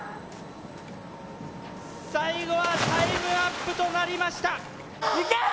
最後はタイムアップとなりましたいけ！